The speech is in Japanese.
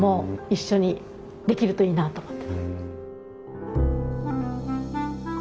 一緒にできるといいなと思ってます。